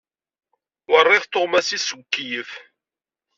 Wriɣet tuɣmas-is seg ukeyyef.